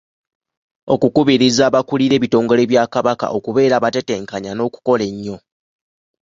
Okukubiriza abakulira ebitongole bya Kabaka okubeera abatetenkanya n’okukola ennyo.